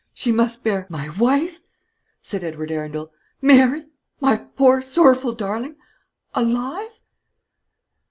She must bear " "My wife!" said Edward Arundel; "Mary, my poor sorrowful darling alive?"